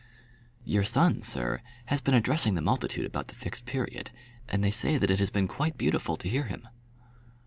"Your son, sir, has been addressing the multitude about the Fixed Period, and they say that it has been quite beautiful to hear him."